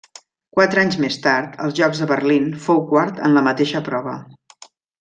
Quatre anys més tard, als Jocs de Berlín, fou quart en la mateixa prova.